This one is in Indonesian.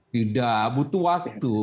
tidak butuh waktu